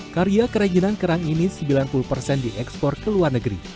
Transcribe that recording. karya kerajinan kerang ini sembilan puluh persen diekspor ke luar negeri